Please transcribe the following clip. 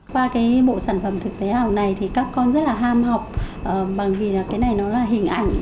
qua bộ sản phẩm thực tế ảo này thì các con rất ham học bởi vì cái này là hình ảnh